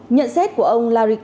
nhận xét của ông larry kenhilf